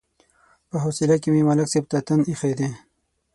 په حوصله کې مې ملک صاحب ته تن ایښی دی.